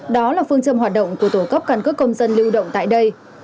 đó là phương châm hoạt động của tổ cấp căn cước công dân lưu động tại đây